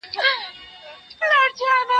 ما ويل چيري يې ؟ ول نيخه .